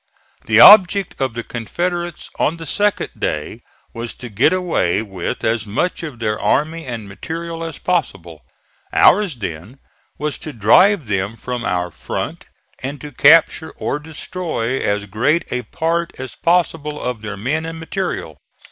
The object of the Confederates on the second day was to get away with as much of their army and material as possible. Ours then was to drive them from our front, and to capture or destroy as great a part as possible of their men and material.